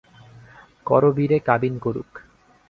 করবীরে কাবিন করুক।